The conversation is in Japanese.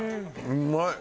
うまい！